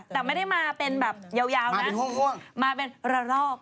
แต่ไม่ได้มาเป็นแบบยาวนะมาเป็นระลอก